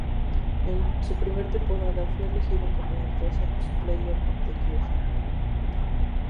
En su primera temporada, fue elegido como el Reserves Player of the Year.